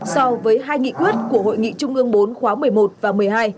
so với hai nghị quyết của hội nghị trung ương bốn khóa một mươi một và một mươi hai